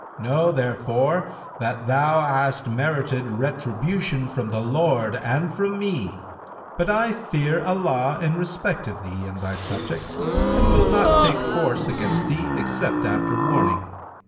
Know, therefore, that thou hast merited retribution from the Lord and from me; but I fear Allah in respect of thee and thy subjects[FN#176] and will not take horse against thee except after warning.